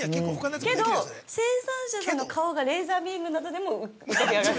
けど、生産者さんの顔がレーザービームなどでも浮かび上がる。